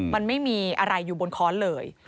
มันไม่มีอะไรอยู่บนค้อนเลย